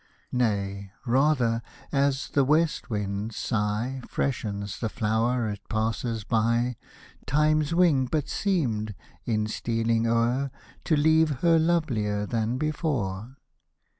Nay, rather, — as the west wind's sigh Freshens the flower it passes by, — Time's wing but seemed, in stealing o'er, To leave her lovelier than before.